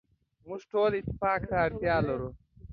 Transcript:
موږ ټول اتفاق ته اړتیا لرو.